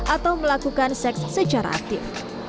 atau melakukan seks secara aktif